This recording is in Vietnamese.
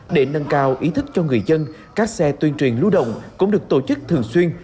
để nâng cao ý thức cho người dân các xe tuyên truyền lưu động cũng được tổ chức thường xuyên